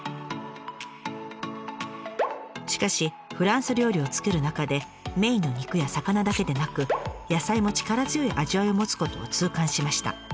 しかしフランス料理を作る中でメインの肉や魚だけでなく野菜も力強い味わいを持つことを痛感しました。